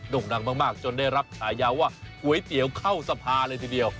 ่งดังมากจนได้รับฉายาว่าก๋วยเตี๋ยวเข้าสภาเลยทีเดียว